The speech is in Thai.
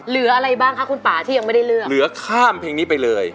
เหลืออะไรบ้างคะคุณป่าที่ยังไม่ได้เลือกเหลือข้ามเพลงนี้ไปเลย